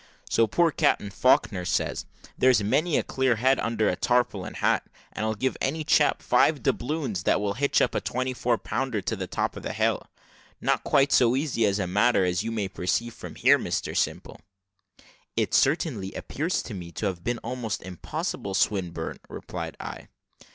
So poor Captain Faulkner says, `There's many a clear head under a tarpaulin hat, and I'll give any chap five doubloons that will hitch up a twenty four pounder to the top of that hill.' Not quite so easy a matter, as you may perceive from here, Mr Simple." "It certainly appears to me to have been almost impossible, Swinburne," replied I.